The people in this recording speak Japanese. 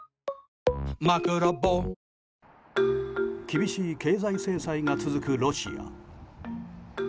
厳しい経済制裁が続くロシア。